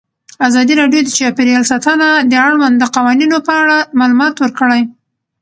ازادي راډیو د چاپیریال ساتنه د اړونده قوانینو په اړه معلومات ورکړي.